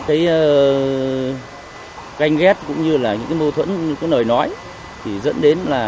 cái ganh ghét cũng như là những cái mâu thuẫn có nời nói thì dẫn đến là